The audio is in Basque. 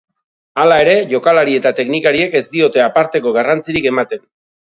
Hala ere, jokalari eta teknikariek ez diote aparteko garrantzirik ematen.